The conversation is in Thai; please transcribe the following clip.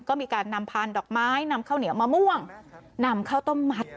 ก็มีการนำพานดอกไม้นำข้าวเหนียวมะม่วงนำข้าวต้มมัด